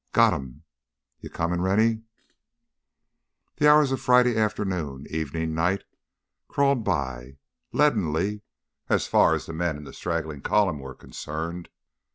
"Got him! You comin', Rennie?" The hours of Friday afternoon, evening, night, crawled by leadenly, as far as the men in the straggling column were concerned.